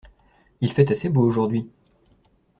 Il fait assez beau aujourd'hui.